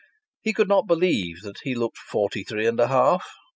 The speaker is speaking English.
He could not believe that he looked forty three and a half.